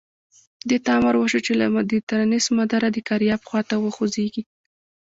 دې ته امر وشو چې له مدیترانې سمندره د کارائیب خوا ته وخوځېږي.